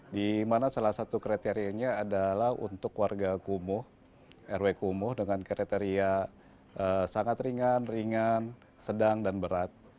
di mana salah satu kriterianya adalah untuk warga kumuh rw kumuh dengan kriteria sangat ringan ringan sedang dan berat